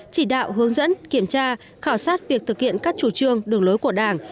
chỉ đạo hướng dẫn kiểm tra khảo sát việc thực hiện các chủ trương đường lối của đảng